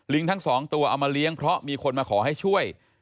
ทั้งสองตัวเอามาเลี้ยงเพราะมีคนมาขอให้ช่วย